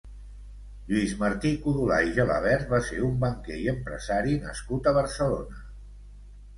Lluís Martí-Codolar i Gelabert va ser un banquer i empresari nascut a Barcelona.